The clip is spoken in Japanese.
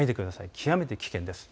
極めて危険です。